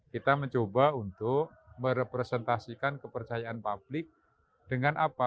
kita mencoba untuk merepresentasikan kepercayaan publik dengan apa